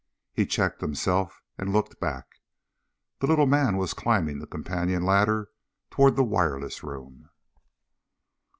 He checked himself and looked back. The little man was climbing the companion ladder toward the wireless room.